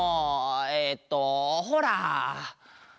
えっとほら！